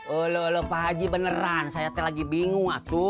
olah olah pak haji beneran saya tadi lagi bingung aku